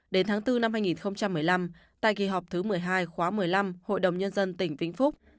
đến tháng bốn năm hai nghìn một mươi năm tại kỳ họp thứ một mươi hai khóa một mươi năm hội đồng nhân dân tỉnh vĩnh phúc